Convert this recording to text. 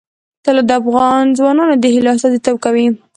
طلا د افغان ځوانانو د هیلو استازیتوب کوي.